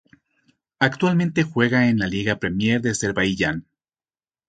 Actualmente juega en la Liga Premier de Azerbaiyán.